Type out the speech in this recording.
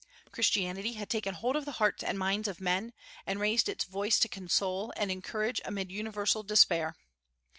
Christianity had taken hold of the hearts and minds of men, and raised its voice to console and encourage amid universal despair.